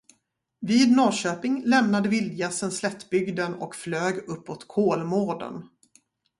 Vid Norrköping lämnade vildgässen slättbygden och flög uppåt Kolmården.